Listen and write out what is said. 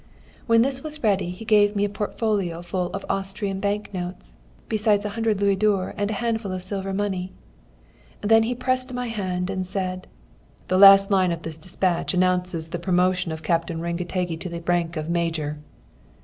"When this was ready he gave me a portfolio full of Austrian bank notes, besides a hundred louis d'ors and a handful of silver money. "Then he pressed my hand, and said: 'The last line of this despatch announces the promotion of Captain Rengetegi to the rank of major.'"